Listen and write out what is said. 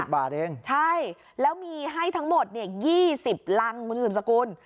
๒๐บาทเองใช่แล้วมีให้ทั้งหมด๒๐ลังมันคือสมสกุล